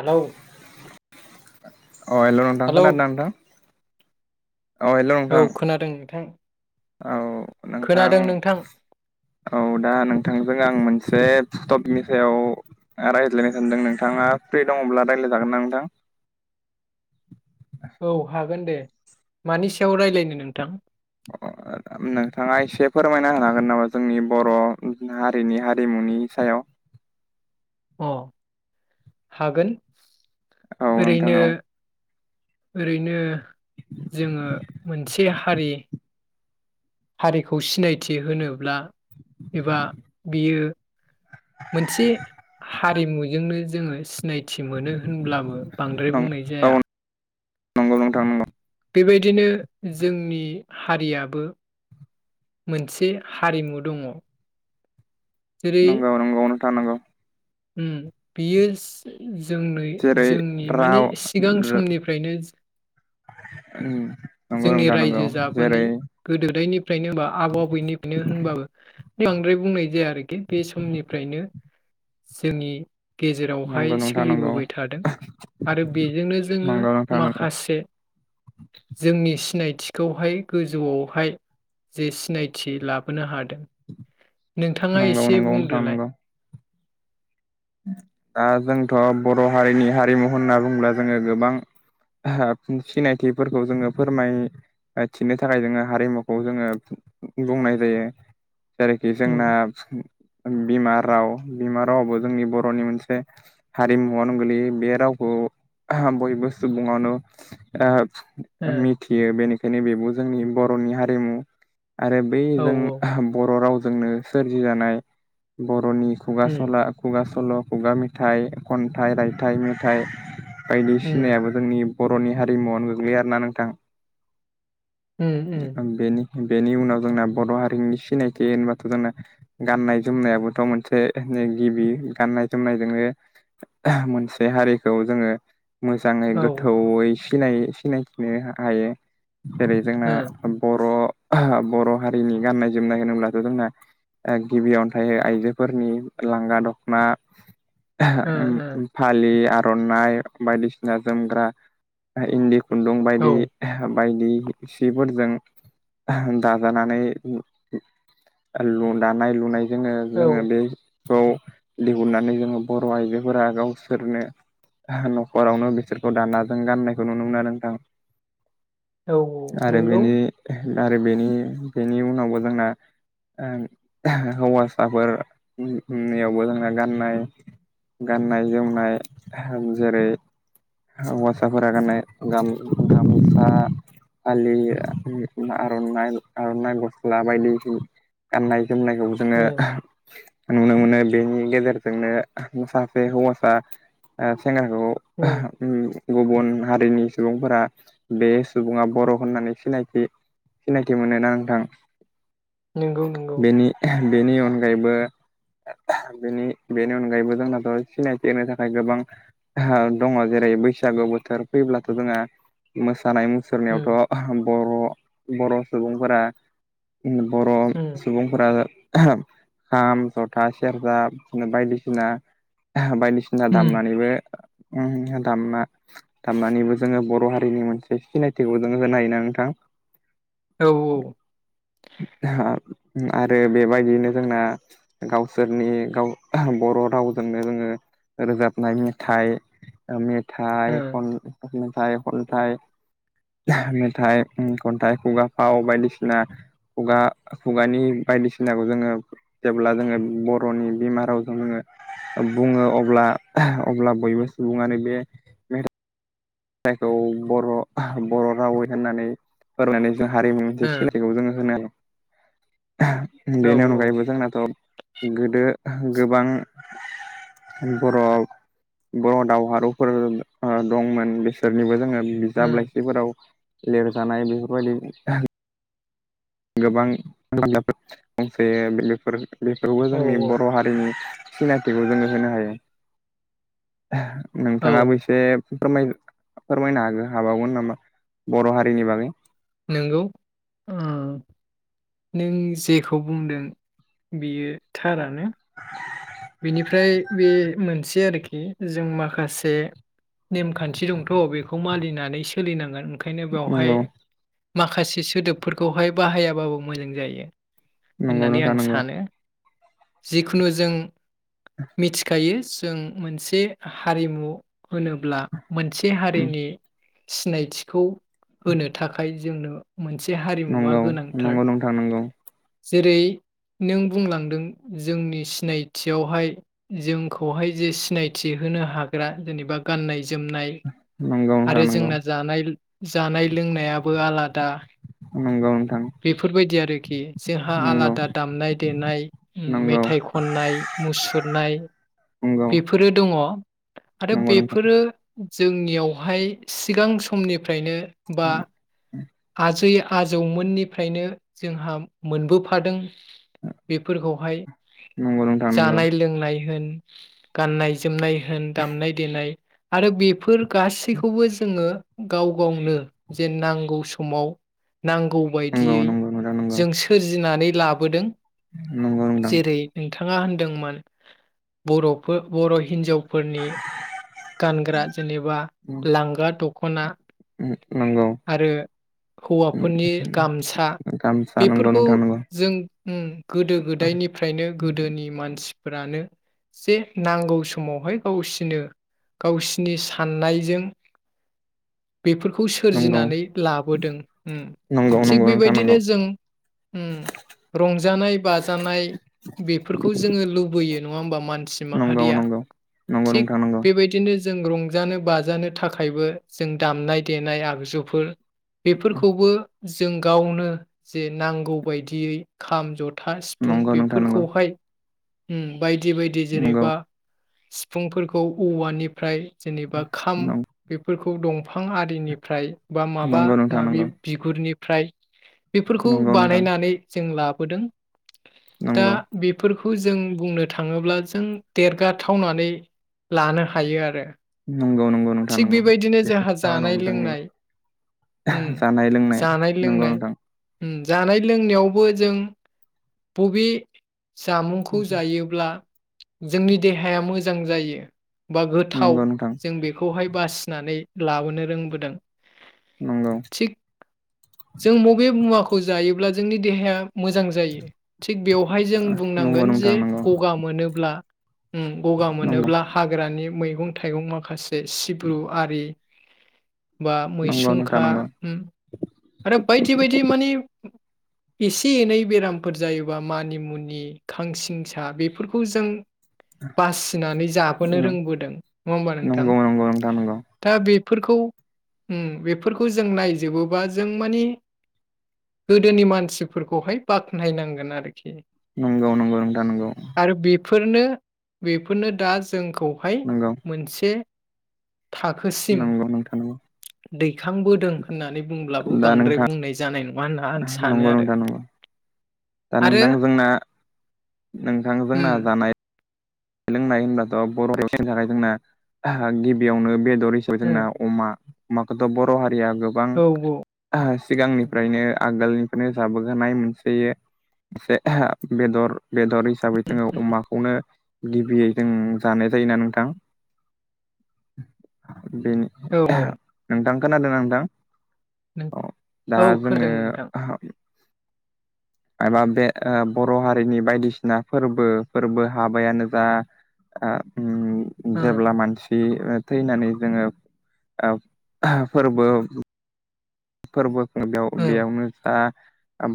Hello. अ hello नोंथां hello खोनादोंना नोंथां? औ हेल' नोंथां औ खोनादों नोंथां। औ नोंथां। औ दा नोंथांजों आं मोनसे फुटपनि सायाव। रायज्लायनो होनदों नोंथाङा फ्रि दंङब्ला रायज्लायजागोन ना नोंथां? औ हागोन दे मानि सायाव रायलायनो नोंथां। [unintelligible] ओम नोंथाङा एसे फोरमायना हानांगोन नामा जोंनि बर' हारिनि हारिमुनि सायाव? [inaudible] अ हागोन औ नोंथां ओरैनो औ ओरैनो जोङो मोनसे हारि हारिखौ सिनायथि होनोब्ला एबा बियो मोनसे हारिमुजोंनो जोङो सि सिनायथि मोनो होनब्लाबो बांद्राय बुंनाय औ जाया नंगौ नोंथां नंगौ बेबायदिनो जोंनि हारियाबो मोनसे हारिमु दङ जेरै नंगौ नंगौ नोंथां नंगौ उम बेयो जोंनि जेरै जोंनि माने राव सिगां समनिफ्रायनो उम जोंनि रायजो जाबोनाय गोदो गोदायनि फ्रायनो होनबा आबौ आबैनिफ्रायनो होनबाबो बांद्राय बुंनाय जाया आरोखि बे समनिफ्रायनो जोंनि गेजेरावहाय नंगौ नोंथां नंगौ सोलिबोबाय थादों आरो बेजोंनो जोङो नंगौ नोंथां नंगौ माखासे जोंनि सिनायथिखौहाय गोजौआवहाय जे सिनायथि लाबोनो हा- दों नोंथाङा नंगौ एसे नंगौ नोंथां बुंदोलाय नंगौ दा जोंथ' बर' हारिनि हारिमु होनना बुंब्ला जोङो गोबां सिनायथिफोरखौ जोङो फोरमाय- थिनो थाखाय जोङो हारिमुखौ जोङो बुंनाय जायो जेरैखि उम जोंना बिमा राव बिमा रावाबो जोंनि बर'नि मोनसे हारिमुवानो गोलैयो बे रावखौ बयबो सुबुङानो ओ मिथियो बेनिखायनो बेबो जोंनि बर'नि हारिमु आरो औ बैजों बर' रावजोंनो सोरजि जानाय ब- र'नि खुगा उम सला खुगा सल' खुगा मेथाइ खन्थाइ रायथाइ मेथाइ उम बायदिसिनायाबो जोंनि बर'नि हारिमुवावनो गोग्लैयो आरोना नोंथां उम उम आं बेेनि बेनि उनाव जोंना बर' हारिनि सिनायथि होनबाथ' जोंना गाननाय जोमनायाबोथ' मोनसे गिबि गाननाय जोमनायजोंनो मोनसे हारिखौ जोङो मोजाङै औ ओ गोथौयै सिनाय सिनायथिनो हायो जेरै जोंना बर' बर' हारिनि गाननाय जोमनाय होनोब्लाथ' जोंना गिबियावनो थायो आइजोफोरनि लांगा दखना ओ ओ फालि आ- र'नाइ बायदिसिना जोमग्रा इन्दि खुन्दुं औ बायदि बायदि सिफोरजों दाजानानै दानाय लुनायजोंनो जोङो औ बे खौ दिहुननानै जोङो बर' आइजोफोरा गावसोरनो न'खरावनो बिसोरखौ दाना जों गाननायखौ नुनो मोनो आरो नोंथां औ आरो नंगौ बेनि आरो बेनि बेनि उनावबो जोंना हौवासाफोर नियावबो जोंना गाननाय गाननाय जोमनाय जेरै हौवासाफोरा गान्नाय गामसा फालि आर'नाइ आर'नाइ गस्ला बायदि गाननाय जोमनायखौ जोङो उम नुनो मोनो बेनि गेजेरजोंनो सासे हौवासा सेंग्राखौ उम ओम गुबुन हारिनि सुबुंफोरा बे सुबुङा बर' होननानै सिनायथि सिनायथि मोनोना नोंथां नोंगौ नोंगौ बेनि बेनि अनगायैबो बेनि बेनि अनगायैबो जोंनाथ' सिनायथि होनो थाखाय गोबां दङ जे जेरै बैसागु बोथोर फैयोब्लाथ जोङा मोसा सानाय मुसुरनायावथ उम बर' बर' सुबुंफोरा बर' उम सुबुंफोरा खाम था सेरजा बायदिसिना बायदिसिना उम दामनानैबो दामना दामनानैबो जोङो बर' हारिनि मोनसे सिनायथिखौ जोङो होनो हायोना नोंथां [inaudible] औ औ आरो बेबायदियैनो जोंना गावसोरनि गाव बर' रावजोंनो जोङो रोजाबनाय मेथाइ औ मेथाइ खन‌ मेथाइ खनथाइ मेथाइ खन्थाइ खुगा फाव बायदिसिना खुगा खुगानि बायदिसिनाखौ जोङो जेब्ला जोङो बर'नि बिमा रावजों जोङो बुङो अब्ला अब्ला बयबो सुबुङानो बे जायखौ बर' बर' रावै होननानै फोरमायनाय जों हारिमु मोनसे सिनायखौ जोङो होनो हायो ओ बेनि अनगायैबो जोंनाथ गोदो गोबां बर' बर' दावहारुफोर दंमोन बे सोरनिबो जोङो औ बिजाब लाइसिफोराव लिरजानाय बेफोरबायदि गोबां [inaudible] गंसे बेफोर बेफोरबो ओ औ जोंनि बर' हारिनि सिनायथिखौ जोङो होनो हायो औ नोंथाङाबो एसे फोरमायनु फोरमायनो हागो हाबावगोन नामा बर' हारिनि बागै नोंगौ ओ नों जेखौ बुंदों बेयो थारानो बेनिफ्राय बे मोनसे आरो खि जों माखासे नेमखान्थि दंथ' बेखौ मानिनानै सोलिनांगोन ओंखायनो बेवहाय नंगौ माखासे सोदोबफोरखौहाय बाहायाबाबो मोजां जायो नंगौ होननानै नोंथां आं नंगौ सानो जिखुनु जों मिथिखायो जों मोनसे हारिमु होनोब्ला मोनसे हारिनि सिनायथिखौ होनो थाखाय जोंनो मोनसे हारिमुवा नंगौ गोनांथार नंगौ नोंथां नंगौ जेरै नों बुंलांदों जोंनि सिनायथियावहाय जोंखौहाय जे सिनायथि हो नो हाग्रा जेनेबा गाननाय जोमनाय नंगौ नोंथां आरो नंगौ जोंना जानाय जानाय लोंनायाबो आलादा नंगौ नोंथां बेफोरबायदि आरोखि जोंहा नंगौ आलादा दामनाय देनाय नंगौ मेथाइ खननाय सुरनाय नंगौ बेफोरो दङ आरो नंगौ नोंथां बेफोरो जोंनियावहाय सिगां समनिफ्रायनो बा आजै आजौमोननिफ्रायनो जोंहा मोनबोफादों बेफोरखौहाय नंगौ नोंथां नंगौ जानाय लोंनाय होन [inaudible] गाननाय जोमनाय होन दामनाय देनाय आरो बेफोर गासैखौबो जोङो गाव वनो जे नांगौ स समाव नंगौ नांगौबायदियै नंगौ जों नोंथां सोरजिनानै लाबोदों नंगौ नोंथां थाङा होनदोंमोन बर'फो बर' हिनजाव फोरनि गानग्रा जेनेबा लांगा दखना। नंगौ। आरो हौवाफोरनि गामसा गामसा नंगौ बेफोरखौ नोंथां नंगौ जों गोदो गोदायनिफ्रायनो गोदोनि मानसि फोरानो जे नांगौ समावहाय गावसिनो गावसिनि साननायजों। [inaudible] बेफोरखौ नंगौ सोरजिनानै लाबोदों नंगौ थिग नंगौ नोंथां नंगौ बेबायदिनो जों। रंजानाय बाजानाय बेफोरखौ जोङो लुबैयो नङा होमबा मानो। मानसि नंगौ माहारिया नंगौ नंगौ थिख नोंथां नंगौ बेबायदिनो। जों रंजानो बाजानो थाखायबो जों दामनाय देनाय आगजुफोर बेफोरखौबो जों गावनो जे नांगौ बायदियै खाम, जथा था सिफुं नंगौ नोंथां नंगौ बेफोरखौहाय बायदि बायदि नंगौ जेनेबा सिफुंफोरखौ औवानिफ्राय जेनेबा खाम बेफोरखौ खौ दंफां आरिनिफ्राय बा माबा नंगौ नोंथां माबि नंगौ बिगुरनि ओमफ्राय बेफोरखौ नंगौ नोंथां बानायनानै जों लाबोदों। दा नंगौ बेफोरखौ। बेखौ जों बुंनो थाङोब्ला जों देरगाथावनानै लानो हायो आरो। नंगौ नंगौ नोंथां थिग नंगौ बेबायदिनो बेनि जोंहा जाहोनाव जानाय जोंनि लोंनाय । उम जानाय लोंनाय जानाय नंगौ लोंनाय। नोंथां जानाय लोंनायावबो जों बबे जामुंखौ जायोब्ला जोंनि देहाया मोजां जायो। बा गोथाव नंगौ नोंथां जों बेखौहाय बासिनानै लाबोनो रोंबोदों। नंगौ थिग जों बबे मुवाखौ जायोब्ला जोंनि देहाया मोजां जायो थिग बेवहाय जों नंगौ बुंनांगोन जे नोंथां नंगौ गगा मोनोब्ला उम गगा नंगौ मोनोब्ला हाग्रानि मैगं थाइगं माखासे सिब्रु आरि बा नंगौ नोंथां मैसुंखा नंगौ आरो बायदि बायदि मानि एसे एनै बेराम फोर जायोबा मानि मुनि खांसिंसा बेफोरखौ जों बासिनानै जाबोनो रोंबोदों नङा होमबा नंगौ नोंथां नोंथां नंगौ दा बे बेफोरखौ बेफोरखौ जों नायजोबोबा जों मानि गोदोनि मानसिफोरखौहाय बाखोनायनांगोन आरोखि। नंगौ नंगौ नोंथां नंगौ। आरो बेफोरनो बेफोरनो दा जोंखौहाय नंगौ मोनसे थाखोसिम नंगौ नोंथां। दैखांबोदों होननानै बुंब्लाबो दा बांद्राय नोंथां बुंनाय जानाय नङा। नङा होनना आं नंगौ सानो आरो। नोंथां नंगौ दा आरो नोंथां जोंना नोंथां उम जोंना जानाय। लोंनाय होनब्लाथ बर' नि थाखाय जोंना गिबियावनो बे हिसाबै जोंना अमा अमाखौथ बर' हारिया गोबां ओ औ सिगांनिफ्रायनो आगोलनिफ्रायनो जाबोखानाय मोनसे बेदर। बेदर हिसाबै जोङो अमाखौनो। गिबियै जों जानाय जायोना नोंथां। बे औ औ नोंथां खोनादों नोंथां। औ अ दा औ खोनादों जोङो। नोंथां माबा बे बर' हारिनि बायदिसिना फोरबो फोरबो हाबायानो जा। ओं जेब्ला मानसि। थैनानै जोङो फोरबो। फोरबोखौ बेयाव ओं बेयावनो जा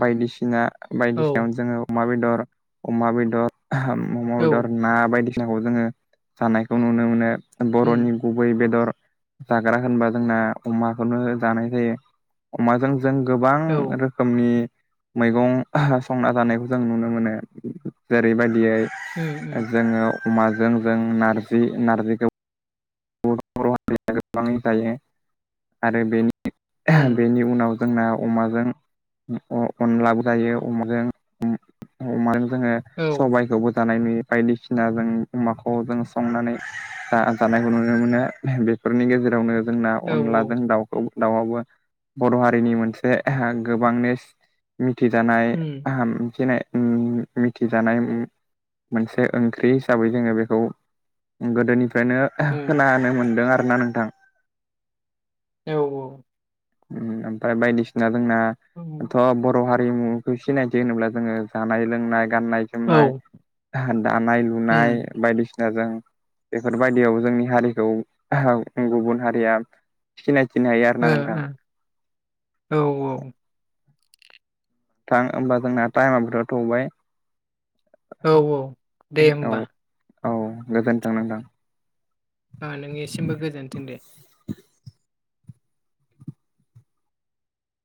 बायदिसिना बायदिसिनायाव औ जोङो अमा अमा बेदर अमा औ बेदर ना बायदिसिना खौ जोङो जानायखौ नुनो मोनो उम बर'नि गुबै बेदर जाग्रा होनबा जोंना अमाखौनो जानाय जायो अमाजों जों गोबां औ रोखोमनि मैगं संना जानायखौ जों नुनो मोनो जेरैबायदि यै उम उम जोङो अमाजों जों नारजि नारजिखौ बर' हारिया गोबाङै जायो आरो उम बेनि उनाव जोंना अमाजों अनलाबो जायो अमाजों जोङो औ सबायखौबो जानाय नुयो बायदिसिना जों अमाखौ जों संनानै जानाय नुनो मोनो बेफोरनि गेजेरावनो जोंना औ अनलाजों दाउखौ दाउबो बर' हारिनि मोनसे गोबांनो फुरथि दानाय उम आम बिथिनाय मिथिजानाय मोनसे ओंख्रि हिसाबै जोङो बेखौ गोदोनिफ्रायनो उम खोनानो मोनदों आरोना नोंथां औ औ ओमफ्राय बायदिसिना उम जोंनाथ' बर' हारि हारिमुखौ सिनायथि होनोब्ला जोङो जानाय लोंनाय गाननाय ओ जोमनाय दानाय लुनाय बायदिसिना जों बेफोरबायदियाव जोंनि हारिखौ गुबुन हारिया सिनाय ओ औ औ थां होमबा जोंना टाइमबोथ' थौबाय औ औ दे औ होमबा औ गोजोन थों नोंथां नोंनिसिमबो गोजोनथों दे